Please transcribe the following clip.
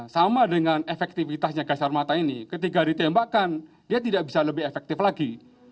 sama dengan efektivitasnya gas air mata ini ketika ditembakkan dia tidak bisa lebih efektif lagi